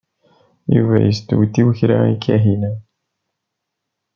Yuba yestewtew kra i Kahina.